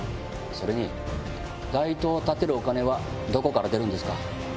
それに、街灯を立てるお金はどこから出るんですか？